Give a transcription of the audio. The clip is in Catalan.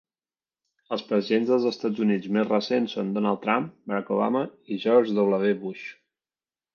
Els presidents dels Estats Units més recents són Donald Trump, Barack Obama i George W. Bush.